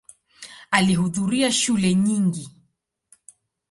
Alihudhuria shule nyingi.